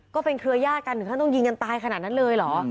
ก็เป็นเครือญาติกันถึงท่านต้องยิงกันตายขนาดนั้นเลยหรอ